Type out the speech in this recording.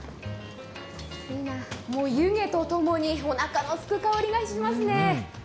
湯気とともに、おなかのすく香りがしますね。